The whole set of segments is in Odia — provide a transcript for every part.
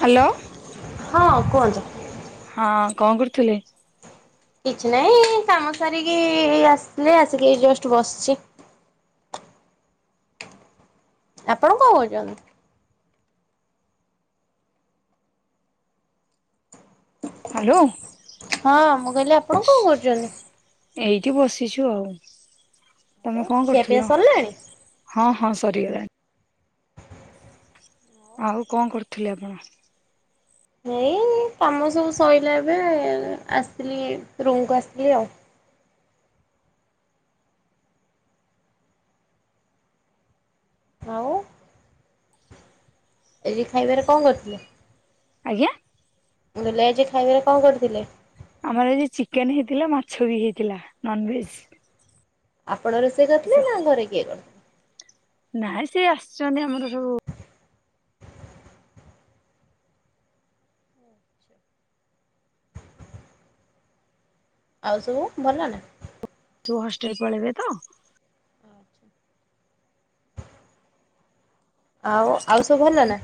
ହ୍ୟାଲୋ। ହଁ କୁହନ୍ତୁ। ହଁ କଣ କରୁଥିଲେ? କିଛି ନାହିଁ କାମ ସାରିକି ଆସିଥିଲି ଆସିକି ଜଷ୍ଟ ବସିଛି। ଆପଣ କଣ କହୁଛନ୍ତି? ହ୍ୟାଲୋ ହଁ ମୁଁ କହିଲି ଆପଣ କଣ କରୁଛନ୍ତି? ଏଇଠି ବସିଛୁ ଆଉ। ତମେ କଣ ଖିଆପିଆ କରୁଥିଲ? ସରିଲାଣି? ହଁ ହଁ ସରିଗଲାଣି। ଆଉ କଣ କରୁଥିଲେ ଆପଣ? ଏଇ କାମ ସବୁ ସରିଲା ଏବେ ଆସିଥିଲି ରୁମ୍ କୁ ଆସିଥିଲି ଆଉ। ଆଉ। ଆଜି ଖାଇବାରେ କଣ କରିଥିଲେ? ଆଜ୍ଞା। କହିଲି ଆଜି ଖାଇବାରେ କଣ କରିଥିଲେ? ଆମର ଚିକେନ ହେଇଥିଲା ମାଛ ବି ହେଇଥିଲା ନନଭେଜ। ଆପଣ ରୋଷେଇ କରିଥିଲେ ନା ଘରେ କିଏ କରିଥିଲେ? ନାଇଁ ସେ ଆସିଛନ୍ତି ଆମର ସବୁ ଆଉ ସବୁ ଭଲ ନା? ପୁଅ ହଷ୍ଟେଲ ପଳେଇବେ ତ ଆଉ ଆଉ ସବୁ ଭଲ ନା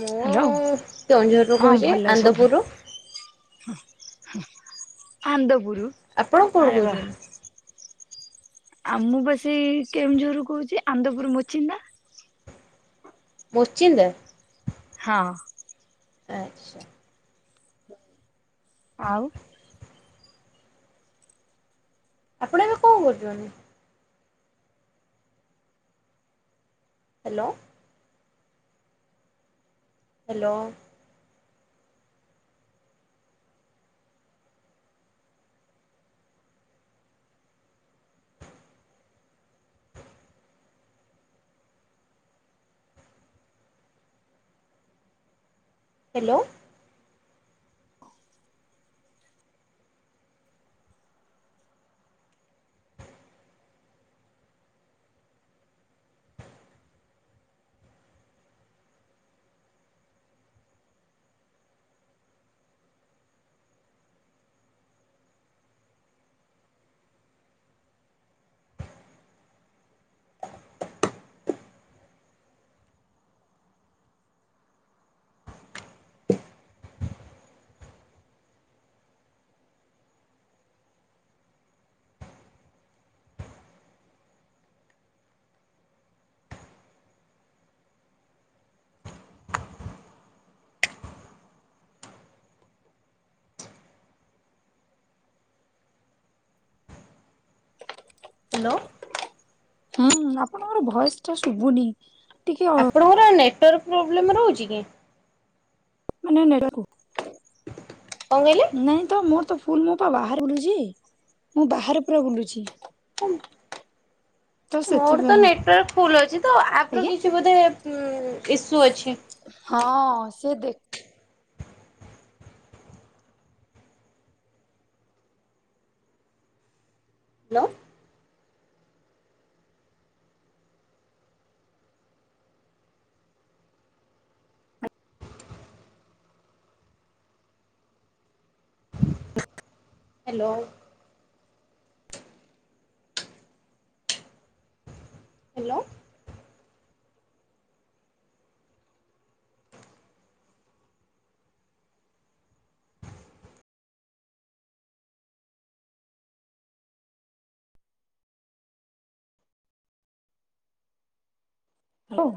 ମୁଁ ହ୍ୟାଲୋ କେଉଁଝରରୁୁ ହଁ କହୁଛି ଭଲ ସବୁ ଆନ୍ଦପୁରରୁୁ ଆନ୍ଦପୁର। ଆପଣ କୋଉଠୁ ଆରେ ବାହା। କହୁଛନ୍ତି? ଆ ମୁଁବା ସେଇ କେଉଁଝରରୁ କହୁଛି ଆନ୍ଦପୁର ମୋଚି ନା। ମୋରଚୀଣ୍ଡା। ହଁ। ଆଚ୍ଛା। ଆଉ। ଆପଣ ଏବେ କଣ କରୁଛନ୍ତି? ହ୍ୟାଲୋ। ହ୍ୟାଲୋ। ହ୍ୟାଲୋ। ହ୍ୟାଲୋ। ହଁ ଆପଣଙ୍କର ଭୟସ ଟା ଶୁଭୁନି? ଟିକେ ଆପଣଙ୍କର ନେଟୱାର୍କ ପ୍ରୋବ୍ଲେମ୍ ରହୁଛି କି? ମାନେ ନେକୁ [inaudible] କଣ କହିଲେ? ନାଇଁ ତ ମୋର ତ ଫୁଲ ମୁଁ ପା ବାହାରେ ବୁଲୁଛି ମୁଁ ବାହାରେ ପୁରା ବୁଲୁଛି। ତ ମୋର ତ ସେଥିପାଇଁ ନେଟୱାର୍କ ଫୁଲ ଅଛି ତ ଆପର ଆଜ୍ଞା କିଛି ବୋଧେ ଇସ୍ୟୁ ଅଛି। ହଁ ସେ ଦେଖ ହ୍ୟାଲୋ। ହ୍ୟାଲୋ। ହ୍ୟାଲୋ। ହାଲୋ।